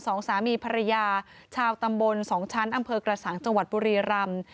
สองสามีภรรยาชาวตำบลสองชั้นอำเภอกระสังจังหวัดบุรีรำ